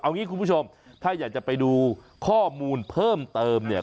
เอางี้คุณผู้ชมถ้าอยากจะไปดูข้อมูลเพิ่มเติมเนี่ย